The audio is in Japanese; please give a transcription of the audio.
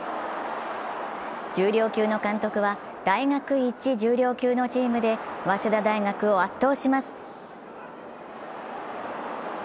重量級の監督は大学一重量級のチームで早稲田大学を圧倒します。